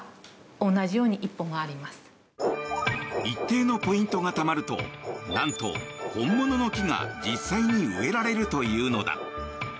一定のポイントがたまるとなんと本物の木が実際に植えられるというのだ。